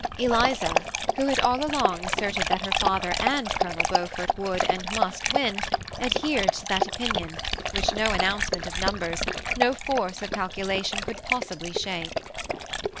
Eliza, who had all along asserted that her father and Colonel Beaufort would and must win, ad hered to that opinion, which no announcement of num bers, no force of calculation could possibly shake.